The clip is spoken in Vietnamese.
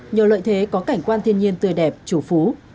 nhờ lợi thế có cảnh quan thiên nhiên tươi đẹp chủ phú